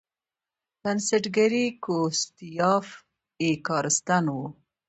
بنسټګر یې ګوسټاف ای کارستن و.